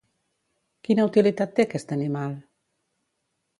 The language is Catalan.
Quina utilitat té aquest animal?